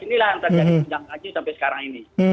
inilah yang terjadi sampai sekarang ini